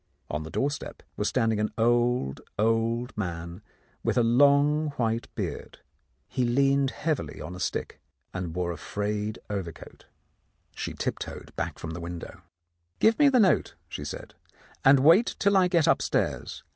On the doorstep was stand ing an old, old man with a long white beard. He leaned heavily on a stick, and wore a frayed over coat. 19 The Countess of Lowndes Square She tip toed back from the window. "Give me the note," she said, "and wait till I get upstairs.